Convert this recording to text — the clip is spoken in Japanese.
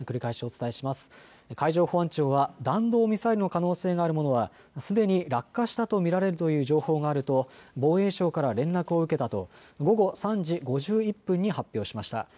海上保安庁は弾道ミサイルの可能性があるものは、すでに落下したと見られるという情報があると防衛省から連絡を受けたと午後３時５１分に発表しました。